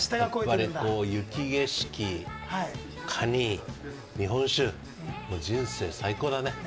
雪景色、カニ、日本酒人生最高だね。